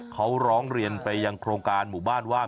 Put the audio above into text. เขาร้องเรียนไปยังโครงการหมู่บ้านว่า